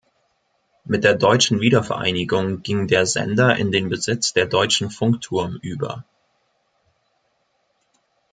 Mit der Deutschen Wiedervereinigung ging der Sender in den Besitz der Deutschen Funkturm über.